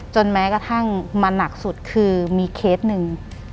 แม้กระทั่งมาหนักสุดคือมีเคสหนึ่ง